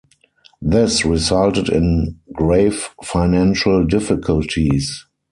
This resulted in grave financial difficulties.